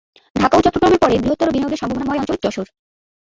ঢাকা ও চট্টগ্রামের পরে বৃহত্তর বিনিয়োগের সম্ভাবনাময় অঞ্চল যশোর।